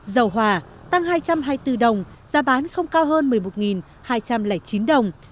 dầu hỏa tăng hai trăm hai mươi bốn đồng giá bán không cao hơn một mươi một hai trăm linh chín đồng